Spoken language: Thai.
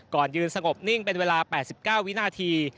ยืนสงบนิ่งเป็นเวลา๘๙วินาที